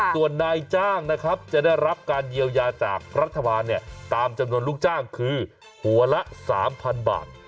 ส่วนนายจ้างนะครับจะได้รับการเยียวยาจากรัฐบาลตามจำนวนลูกจ้างคือหัวละ๓๐๐๐บาท